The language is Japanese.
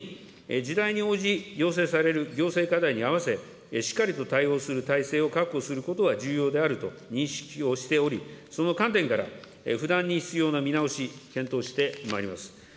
同時に時代に応じ要請される行政課題に対し、確保することが重要であると認識をしており、その観点から、不断に必要な見直し、検討してまいります。